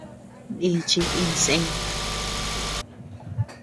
Nichiy iñsé.